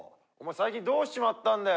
最近どうしちまったんだよ